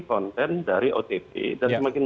konten dari otp dan semakin